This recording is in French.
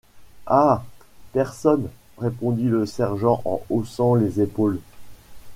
Ah!... personne !... répondit le sergent en haussant les épaules.